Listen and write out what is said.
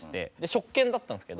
食券だったんですけど。